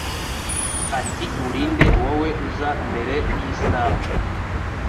ati Uri nde wowe uza mbere y'isaha